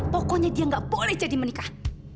pokoknya dia nggak boleh jadi menikah